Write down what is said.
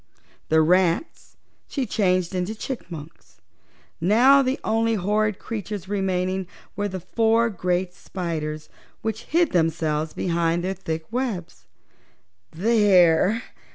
The rats she changed into chipmunks. Now the only horrid creatures remaining were the four great spiders, which hid themselves behind their thick webs. "There!"